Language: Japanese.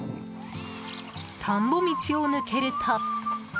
田んぼ道を抜けると。